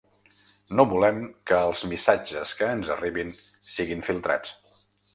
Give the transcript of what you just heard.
No volem que els missatges que ens arribin siguin filtrats.